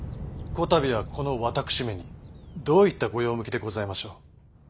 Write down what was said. こたびはこの私めにどういった御用向きでございましょう？